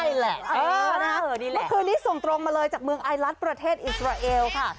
เมื่อคืนนี้ส่งตรงมาเลยจากเมืองไอลัสประเทศอิสราเอลค่ะ